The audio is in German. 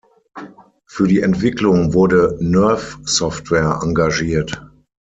Für die Entwicklung wurde Nerve Software engagiert.